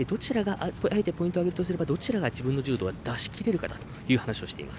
あえてポイントを挙げるとすればどちらが自分の柔道を出し切れるかという話をしています。